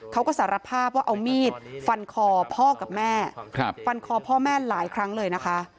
เขาก็สารภาพว่าเอามีดฟันคอพ่อกับแม่ฟันคอพ่อแม่หลายครั้งเลยนะคะ